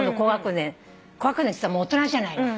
高学年っつったらもう大人じゃない。